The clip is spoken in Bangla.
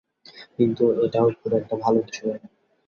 কিন্তু এটাও খুব একটা ভাল কিছু নয়।